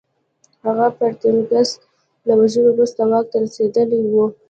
هغه پرتیناکس له وژلو وروسته واک ته رسېدلی و